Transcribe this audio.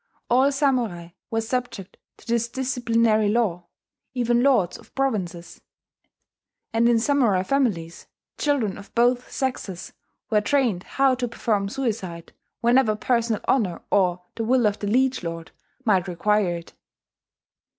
All samurai were subject to this disciplinary law, even lords of provinces; and in samurai families, children of both sexes were trained how to perform suicide whenever personal honour or the will of a liege lord, might require it....